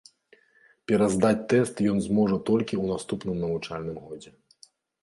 Пераздаць тэст ён зможа толькі ў наступным навучальным годзе.